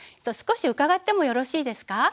少し伺ってもよろしいですか？